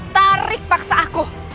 tarik paksa aku